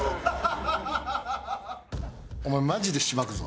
お前マジでしばくぞ？